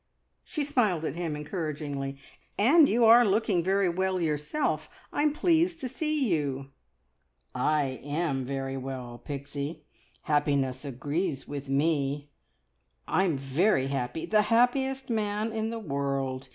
She smiled at him encouragingly. "And you are looking very well yourself. I'm pleased to see you!" "I am very well, Pixie. Happiness agrees with me. I'm very happy the happiest man in the world!